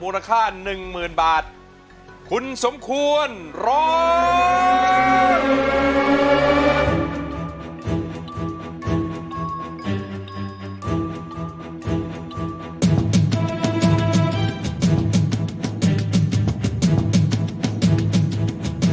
ร้องได้ในเพลงแรกแบบนี้ค่ะ